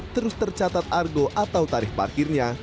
terus tercatat argo atau tarif parkirnya